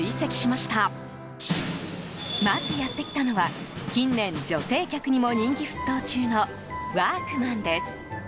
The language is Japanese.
まずやってきたのは近年、女性客にも人気沸騰中のワークマンです。